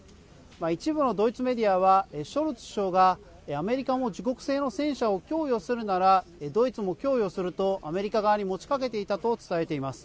一部のドイツメディアはショルツ首相がアメリカも自国製の戦車を供与するならドイツも供与するとアメリカ側に持ちかけていたと伝えています。